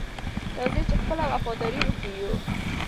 راځئ چې خپله وفاداري وښیو.